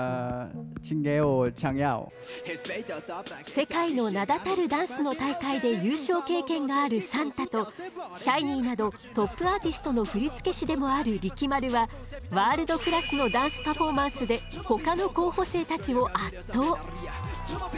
世界の名だたるダンスの大会で優勝経験があるサンタとＳＨＩＮｅｅなどトップアーティストの振り付け師でもあるリキマルはワールドクラスのダンスパフォーマンスで他の候補生たちを圧倒。